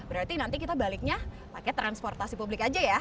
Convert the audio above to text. berarti nanti kita baliknya pakai transportasi publik aja ya